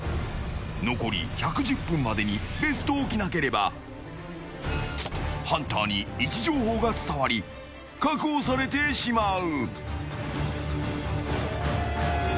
残り１１０分までにベストを着なければハンターに位置情報が伝わり確保されてしまう。